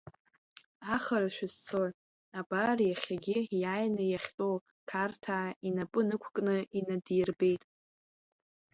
Ахара шәызцои, абар иахьагьы иааины иахьтәоу, қарҭаа инапы рықәкны инадирбеит.